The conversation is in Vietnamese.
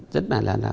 rất là là